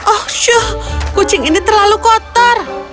oh syuh kucing ini terlalu kotor